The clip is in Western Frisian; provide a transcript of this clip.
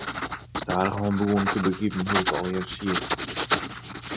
Stadichoan begûn ik te begripen hoe't it allegearre siet.